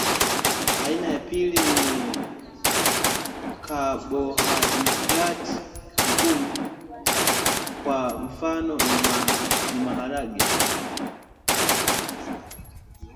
Aina ya pili ni kabohaidrati ngumu kwa mfano ni maharage